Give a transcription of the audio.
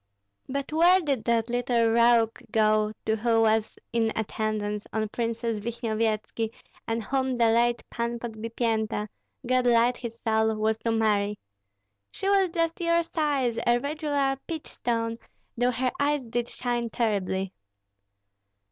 But where did that little rogue go to who was in attendance on Princess Vishnyevetski, and whom the late Pan Podbipienta God light his soul! was to marry? She was just your size, a regular peach stone, though her eyes did shine terribly."